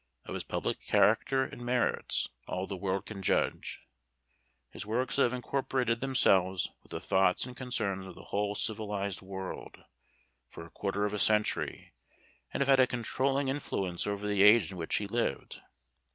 Of his public character and merits, all the world can judge. His works have incorporated themselves with the thoughts and concerns of the whole civilized world, for a quarter of a century, and have had a controlling influence over the age in which he lived.